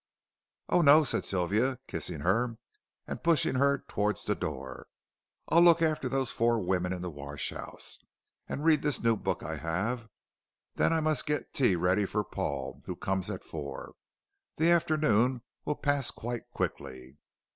"Oh, no," said Sylvia, kissing her, and pushing her towards the door. "I'll look after those four women in the wash house, and read this new book I have. Then I must get tea ready for Paul, who comes at four. The afternoon will pass quite quickly."